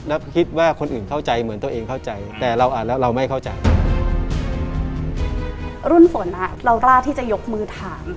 รุ่นฝนเราลากล้าที่จะยกมือถาม